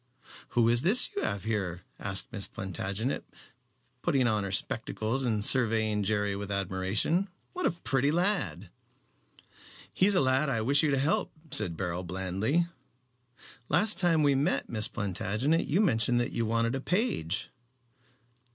"Who is this you have here?" asked Miss Plantagenet, putting on her spectacles and surveying Jerry with admiration. "What a pretty lad!" "He is a lad I wish you to help," said Beryl, blandly. "Last time we met, Miss Plantagenet, you mentioned that you wanted a page."